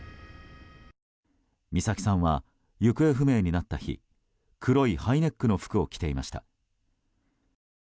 美咲さんは行方不明になった日黒いハイネックの服を着ていました。